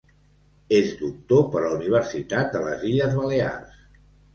És doctor per la Universitat de les Illes Balears.